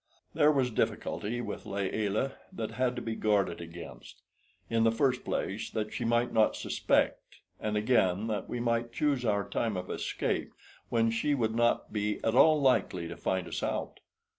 There was a difficulty with Layelah that had to be guarded against: in the first place that she might not suspect, and again that we might choose our time of escape when she would not be at all likely to find us out.